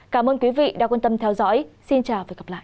cảm ơn quý vị đã quan tâm theo dõi xin chào và hẹn gặp lại